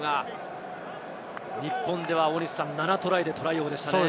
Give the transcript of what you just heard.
日本では７トライでトライ王でしたね。